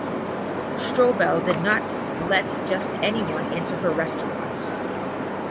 Strobel did not let just anyone into her restaurant.